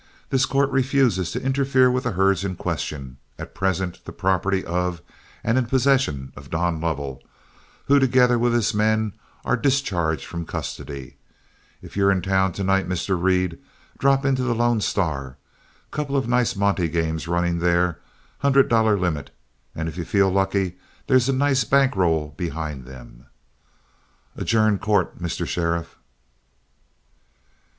This court refuses to interfere with the herds in question, at present the property of and in possession of Don Lovell, who, together with his men, are discharged from custody. If you're in town to night, Mr. Reed, drop into the Lone Star. Couple of nice monte games running there; hundred dollar limit, and if you feel lucky, there's a nice bank roll behind them. Adjourn court, Mr. Sheriff."